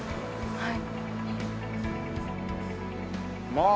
はい。